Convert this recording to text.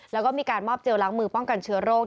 แล้วก็มีการมอบเจลล้างมือป้องกันเชื้อโรค